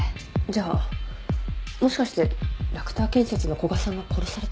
じゃあもしかしてラクター建設の古賀さんが殺されたのも。